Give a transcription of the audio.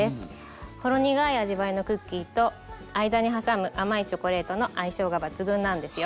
ほろ苦い味わいのクッキーと間に挟む甘いチョコレートの相性が抜群なんですよ。